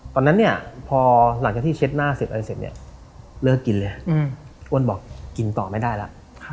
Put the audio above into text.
ตอนนั้นเนี่ยพอหลังจากที่เช็ดหน้าเสร็จอะไรเสร็จเนี่ยเลิกกินเลยอ้วนบอกกินต่อไม่ได้แล้ว